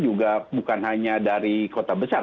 juga bukan hanya dari kota besar